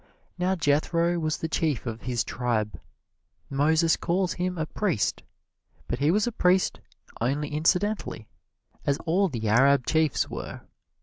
Now Jethro was the chief of his tribe. Moses calls him a "priest," but he was a priest only incidentally, as all the Arab chiefs were.